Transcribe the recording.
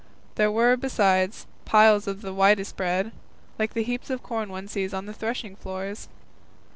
There were, besides, piles of the whitest bread, like the heaps of corn one sees on the threshing floors.